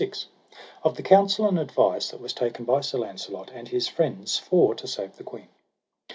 Of the counsel and advice that was taken by Sir Launcelot and his friends for to save the queen.